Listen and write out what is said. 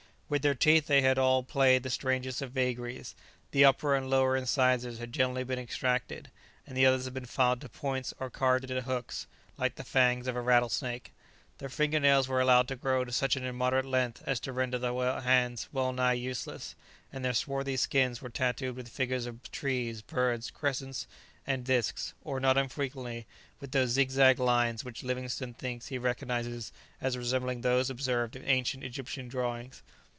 With their teeth they had all played the strangest of vagaries; the upper and lower incisors had generally been extracted, and the others had been filed to points or carved into hooks, like the fangs of a rattle snake. Their fingernails were allowed to grow to such an immoderate length as to render the hands well nigh useless, and their swarthy skins were tattooed with figures of trees, birds, crescents and discs, or, not unfrequently, with those zigzag lines which Livingstone thinks he recognizes as resembling those observed in ancient Egyptian drawings.